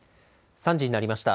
３時になりました。